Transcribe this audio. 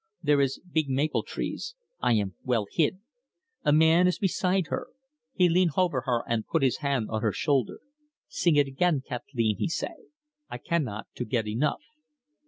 There is big maple trees I am well hid. A man is beside her. He lean hover her an' put his hand on her shoulder. 'Sing it again, Kat'leen,' he say. 'I cannot to get enough.